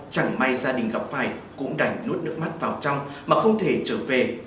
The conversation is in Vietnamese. chẳng may gia đình gặp phải cũng đành nuốt nước mắt vào trong mà không thể trở về